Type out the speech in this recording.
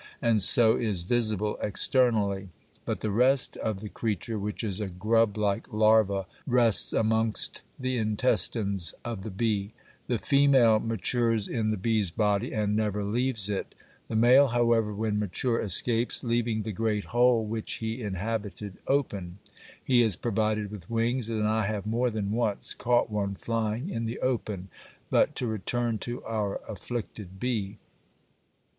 21), and so is visible externally, but the rest of the creature, which is a grub like larva, rests amongst the intestines of the bee; the female matures in the bee's body and never leaves it. The male, however, when mature, escapes, leaving the [Illustration: FIG. 22. Stylops larva in abdominal cavity: after Perez.] great hole which he inhabited open; he is provided with wings, and I have more than once caught one flying in the open but to return to our afflicted bee.